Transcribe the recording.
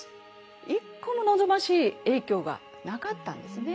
一個も望ましい影響がなかったんですね。